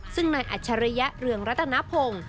ซึ่งนายอัจฉริยะเรืองรัตนพงศ์